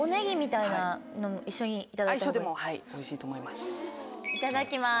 いただきます。